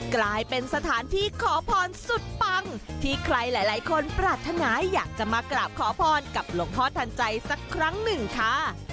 กลายเป็นสถานที่ขอพรสุดปังที่ใครหลายคนปรารถนาอยากจะมากราบขอพรกับหลวงพ่อทันใจสักครั้งหนึ่งค่ะ